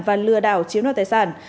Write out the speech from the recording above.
và lừa đảo chiếm đoàn tài sản